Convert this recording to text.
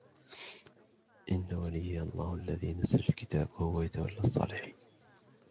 إِنَّ وَلِيِّيَ اللَّهُ الَّذِي نَزَّلَ الْكِتَابَ وَهُوَ يَتَوَلَّى الصَّالِحِينَ